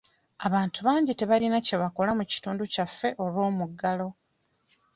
Abantu bangi tebalina kye bakola mu kitundu kyaffe olw'omuggalo.